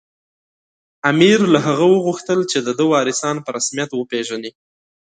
امیر له هغه وغوښتل چې د ده وارثان په رسمیت وپېژني.